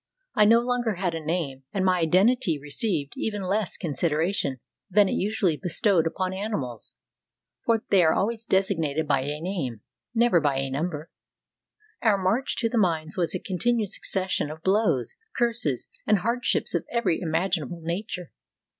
I no longer had a name and my identity received even less consideration than is usually bestowed upon animals, for they are always designated by a name, never by a number. Our march to the mines was a continued succession of blows, curses, and hardships of every imaginable nature.